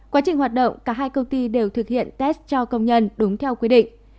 quá trình hoạt động cả hai công ty đều thực hiện test cho công nhân đúng theo quy định